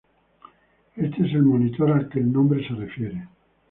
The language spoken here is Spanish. Este es el "monitor" al que el nombre se refiere.